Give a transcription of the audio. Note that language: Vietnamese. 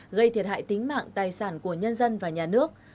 gây thiệt hại tính mạng tài sản của nhân dân và nhà nước